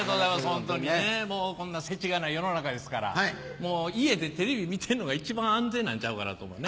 本当にねもうこんな世知辛い世の中ですからもう家でテレビ見てんのが一番安全なんちゃうかなと思うね。